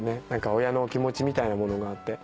親の気持ちみたいなものがあって。